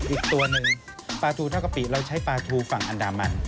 อีกตัวหนึ่งปลาทูท่ากะปิเราใช้ปลาทูฝั่งอันดามัน